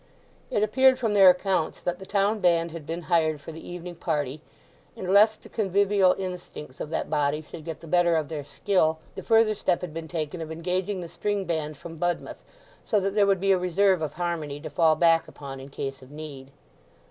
It appeared from their accounts that the town band had been hired for the evening party, and, lest the convivial instincts of that body should get the better of their skill, the further step had been taken of engaging the string band from Budmouth, so that there would be a reserve of harmony to fall back upon in case of need.